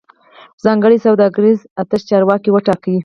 ځانګړی سوداګریز اتشه چارواکي وټاکي